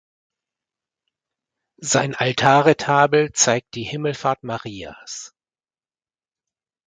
Sein Altarretabel zeigt die Himmelfahrt Marias.